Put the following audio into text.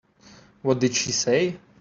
What did she say?